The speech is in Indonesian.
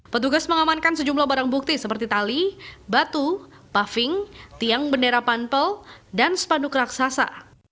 petugas mengamankan sejumlah barang bukti seperti tali batu paving tiang bendera pampel dan spanduk raksasa